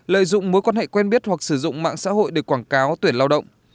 lợi dụng mối quan hệ quen biết hoặc sử dụng mạng xã hội để quảng cáo tuyển lao động